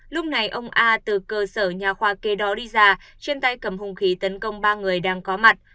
lúc này ông a từ cơ sở nhà khoa kê đó đi già trên tay cầm hùng khí tấn công ba người đang có mặt